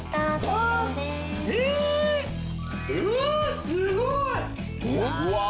うわすごい。